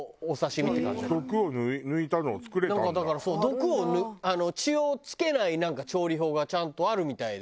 毒を血をつけない調理法がちゃんとあるみたいで。